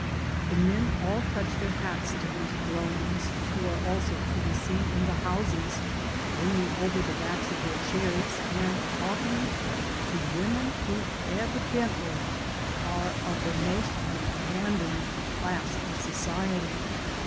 The men all touch their hats to these drones, who are also to be seen in the houses, leaning over the backs of their chairs, and talking to women who are evi dently of the most abandoned class of society.